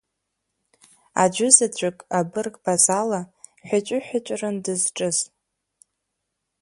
Аӡәызаҵәык, абырг Базала, ҳәаҵәы-ҳәаҵәран дызҿыз.